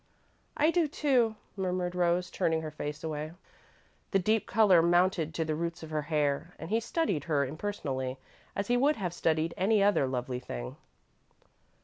"I do, too," murmured Rose, turning her face away. The deep colour mounted to the roots of her hair and he studied her impersonally, as he would have studied any other lovely thing.